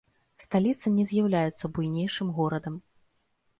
Сталіца не з'яўляецца буйнейшым горадам.